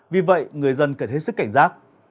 vì vậy người dân cần hết sức cảnh giác